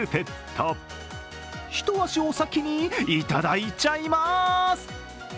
一足お先にいただいちゃいます！